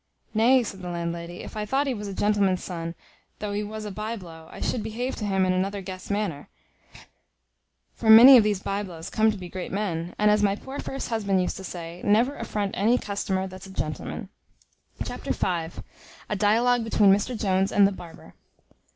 "Nay," said the landlady, "if I thought he was a gentleman's son, thof he was a bye blow, I should behave to him in another guess manner; for many of these bye blows come to be great men, and, as my poor first husband used to say, never affront any customer that's a gentleman." Chapter v. A dialogue between Mr Jones and the barber.